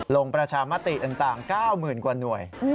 ลงประชามตรฐานต่าง๙หมื่นกว่าหน้วย